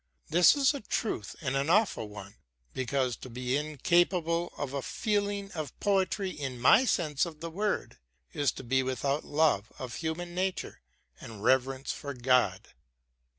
This is a truth, and an awful one, because to be incapable of a feeling of poetry in my sense of the word is to be without love of human nature and reverence for God."